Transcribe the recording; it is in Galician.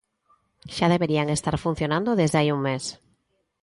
Xa deberían estar funcionando desde hai un mes.